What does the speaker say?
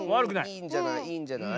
いいんじゃないいいんじゃない？